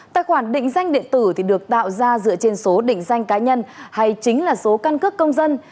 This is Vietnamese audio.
tài khoản định danh điện tử được tạo ra dựa trên số định danh cá nhân hay chính là số căn cước công dân